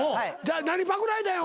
何パクられたんや？